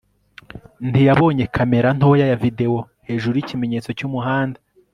ntiyabonye kamera ntoya ya videwo hejuru yikimenyetso cyumuhanda